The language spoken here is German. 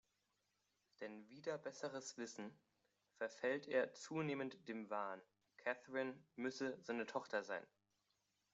Denn wider besseres Wissen verfällt er zunehmend dem Wahn, Catherine müsse seine Tochter sein.